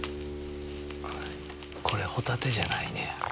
これホタテじゃないねや。